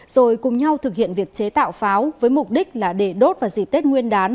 rồi cùng nhau thực hiện việc chế tạo pháo với mục đích là để đốt vào dịp tết nguyên đán